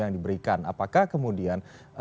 yang diberikan apakah kemudian